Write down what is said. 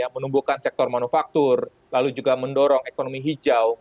menumbuhkan sektor manufaktur lalu juga mendorong ekonomi hijau